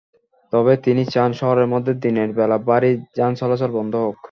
তবে তিনি চান, শহরের মধ্যে দিনের বেলা ভারী যান চলাচল বন্ধ হোক।